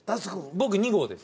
僕２号です。